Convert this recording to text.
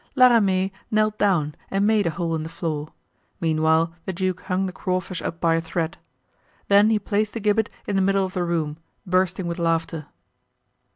La Ramee knelt down and made a hole in the floor; meanwhile the duke hung the crawfish up by a thread. Then he placed the gibbet in the middle of the room, bursting with laughter.